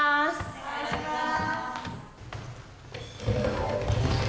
お願いします。